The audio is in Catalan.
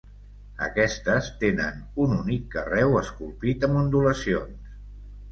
Aquestes, tenen un únic carreu esculpit amb ondulacions.